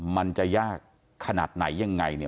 มันจะยากขนาดไหนยังไงเนี่ย